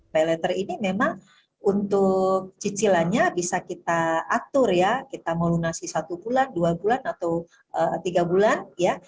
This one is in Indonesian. pay letter ini memang untuk cicilannya bisa kita atur ya kita melunasi satu bulan dua bulan atau tiga bulan ya